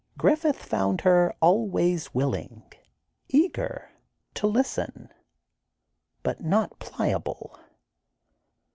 Griffith found her always willing—eager—to listen—but not pliable....